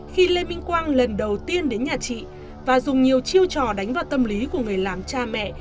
khi lê minh quang lần đầu tiên đến nhà chị và dùng nhiều chiêu trò đánh vào tâm lý của người làm cha mẹ